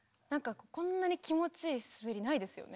こんなに気持ちいい滑りないですよね。